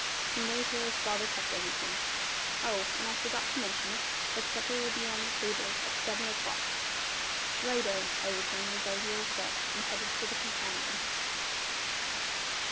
He knows where his father kept everything. Oh! and I forgot to mention it, but supper'll be on the table at seven o'clock." "Righto!" I returned as I wheeled about and headed for the companion.